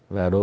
và đối với